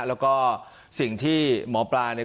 แล้วก็สิ่งที่หมอปลาเนี่ย